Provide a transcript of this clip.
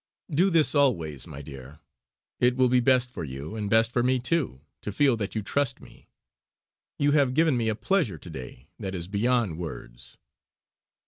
Do this always, my dear. It will be best for you, and best for me too, to feel that you trust me. You have given me a pleasure to day that is beyond words."